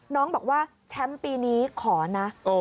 น้องบอกว่าแชมป์ปีนี้ขอนะ